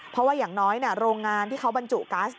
เพราะว่าอย่างน้อยโรงงานที่เขาบรรจุกัส